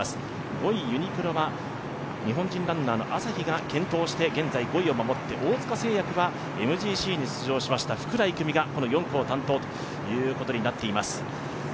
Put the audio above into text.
５位ユニクロは日本人ランナーの朝日が検討して現在５位を守って、大塚製薬はＭＧＣに出場した福良郁美がこの４区を担当ということになっています。